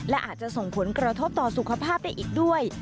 และอาจจะส่งผลกระทบต่อสุขภาพได้อีกด้วย